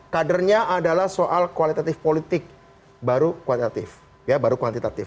kadernya adalah soal kualitatif politik baru kuantitatif